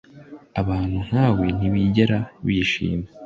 Abantu nkawe ntibigera bishima